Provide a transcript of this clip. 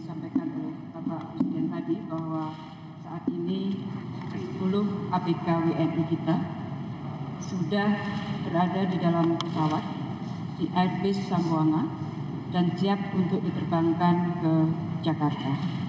saya pak presiden di airbus sanguangan dan siap untuk diterbangkan ke jakarta